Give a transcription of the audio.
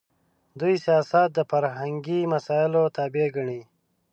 دوی سیاست د فرهنګي مسایلو تابع ګڼي.